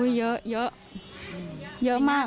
อุ๊ยเยอะเยอะเยอะมาก